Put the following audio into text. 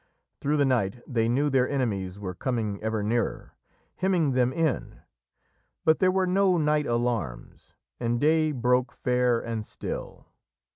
Through the night they knew their enemies were coming ever nearer, hemming them in, but there were no night alarms, and day broke fair and still.